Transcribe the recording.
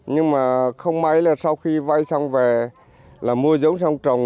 nhưng mà không may là sau khi vay xong về là mua giống xong trồng